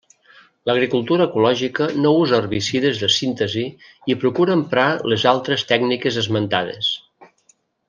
L'agricultura ecològica no usa herbicides de síntesi i procura emprar les altres tècniques esmentades.